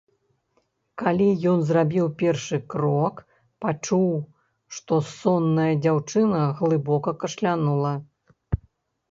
Калі ён зрабіў першы крок, пачуў, што сонная дзяўчына глыбока кашлянула.